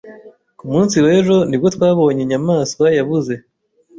Ku munsi w'ejo ni bwo twabonye inyamaswa yabuze.